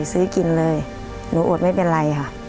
ซื้อกินเลยหนูอดไม่เป็นไรค่ะ